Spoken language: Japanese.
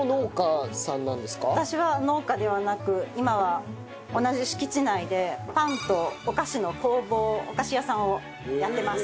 私は農家ではなく今は同じ敷地内でパンとお菓子の工房お菓子屋さんをやってます。